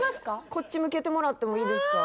こっち向けてもらってもいいですか？